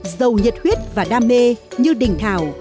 giàu nhiệt huyết và đam mê như đỉnh thảo